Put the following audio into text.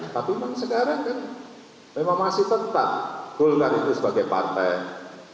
tapi sekarang memang masih tetap bulgar itu sebagai partai karya